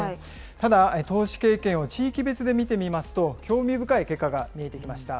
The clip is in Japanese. ただ、投資経験を地域別で見てみますと、興味深い結果が見えてきました。